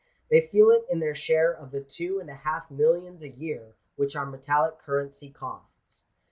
They feel it in their share of the two and a half millions a year, which our metallic currency costs.